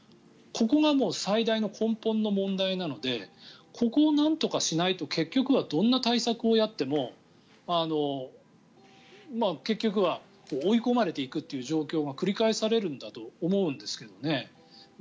ここがもう最大の根本の問題なのでここをなんとかしないと結局はどんな対策をやっても結局は追い込まれていくっていう状況が繰り返されるんだと思うんですよね。